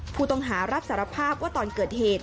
ผู้ต้องหารับสารภาพว่าตอนเกิดเหตุ